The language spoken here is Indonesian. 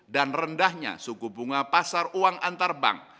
dan rendahnya suku bunga pasar uang antarbank